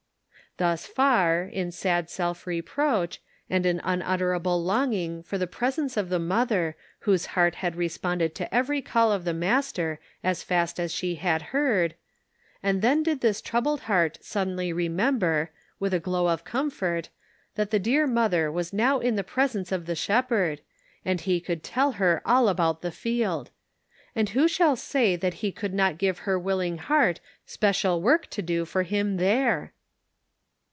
M Thus far, in sad self reproach, and an unutterable longing for the presence of the mother whose heart had responded to every call of the Master as fast as she had heard ; and then did this troubled heart suddenly remember, with a glow of comfort, that the dear mother was now in the presence of the Shepherd, and he could tell her all about the field; and who shall say that he could not give her willing heart special work to do for him there?